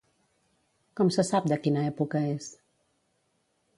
Com se sap de quina època és?